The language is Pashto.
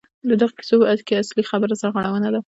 په دغو کیسو کې اصلي خبره سرغړونه ده.